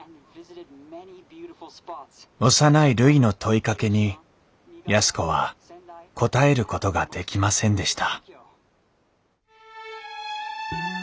幼いるいの問いかけに安子は答えることができませんでした